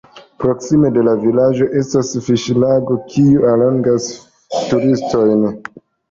Proksime de la vilaĝo estas fiŝlago, kiu allogas turistojn.